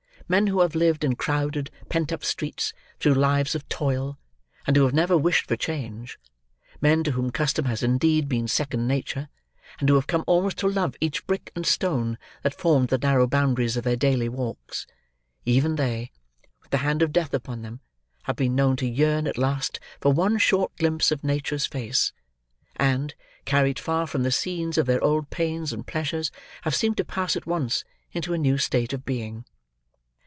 Men who have lived in crowded, pent up streets, through lives of toil, and who have never wished for change; men, to whom custom has indeed been second nature, and who have come almost to love each brick and stone that formed the narrow boundaries of their daily walks; even they, with the hand of death upon them, have been known to yearn at last for one short glimpse of Nature's face; and, carried far from the scenes of their old pains and pleasures, have seemed to pass at once into a new state of being.